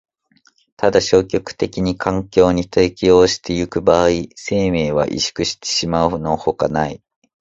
ただ消極的に環境に適応してゆく場合、生命は萎縮してしまうのほかない。